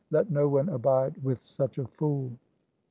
Let no one abide with such a fool.